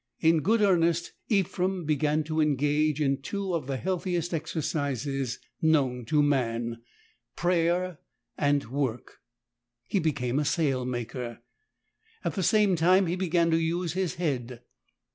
In good earnest Ephrem began to engage in two of the healthiest exercises known to man, viz., prayer and work. He became a sail maker. At the same time he began to use his head.